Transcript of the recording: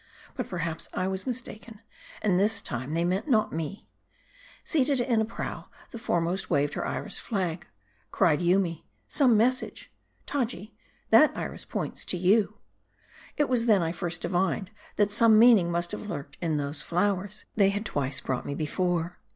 But perhaps I was mistaken, and this time they meant not me. Seated in the prow, the foremost waved her Iris flag. Cried Yoomy, " Some message ! Taji, thai Iris points to you." It was then, I first Divined, that some meaning must have lurked in those flowers they had twice brought me before.